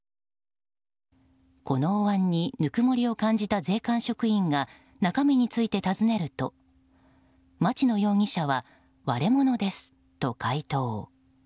このおわんにぬくもりを感じた税関職員が中身について尋ねると町野容疑者は割れ物ですと回答。